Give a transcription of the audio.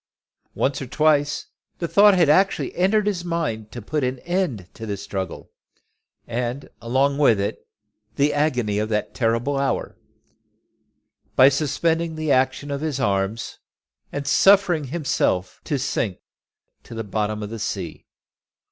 Once or twice the thought had actually entered his mind to put an end to the struggle, and, along with it, the agony of that terrible hour, by suspending the action of his arms, and suffering himself to sink to the bottom of the sea.